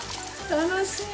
楽しい。